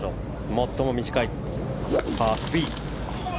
最も短いパー３。